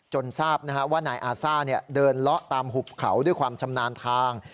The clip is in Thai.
ทราบว่านายอาซ่าเดินเลาะตามหุบเขาด้วยความชำนาญทาง